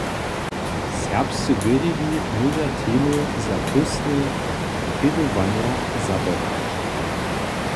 Serbscy wěriwi móža temy za póstne prědowanja zapodać.